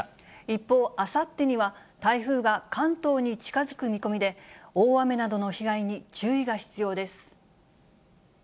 一方、あさってには、台風が関東に近づく見込みで、大雨などの被害に注意が必要です。